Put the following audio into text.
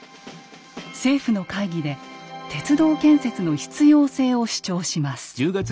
政府の会議で鉄道建設の必要性を主張します。